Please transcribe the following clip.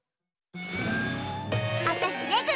あたしレグ！